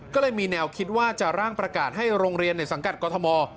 ก็เลยมีแนวคิดว่าจะร่างประกาศให้โรงเรียนในสังกัดกรทม